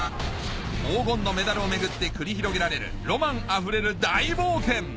黄金のメダルを巡って繰り広げられるロマンあふれる大冒険